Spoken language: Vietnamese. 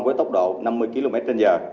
với tốc độ năm mươi kmh